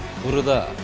これだ。